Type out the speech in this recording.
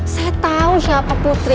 saya tau siapa putri